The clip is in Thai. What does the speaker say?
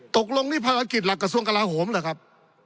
ตกลงนี่ภารกิจหลักกระทรวงกลาโหมเหรอครับ